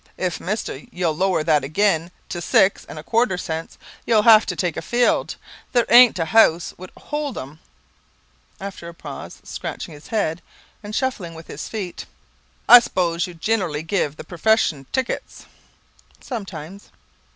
If, mister, you'll lower that agin to six and a quarter cents, you'll have to take a field, there ain't a house would hold 'em." After a pause, scratching his head, and shuffling with his feet, "I s'pose you ginnerally give the profession tickets?" "Sometimes."